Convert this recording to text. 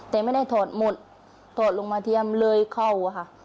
แต่ไม่ได้ถอดหมดถอดลงมาเทียมเลยเข้าค่ะ